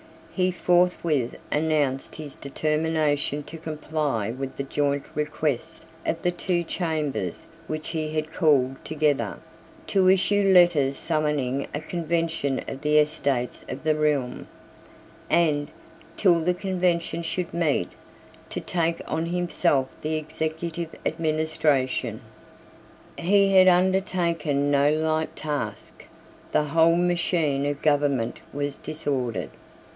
He forthwith announced his determination to comply with the joint request of the two Chambers which he had called together, to issue letters summoning a Convention of the Estates of the Realm, and, till the Convention should meet, to take on himself the executive administration. He had undertaken no light task. The whole machine of government was disordered.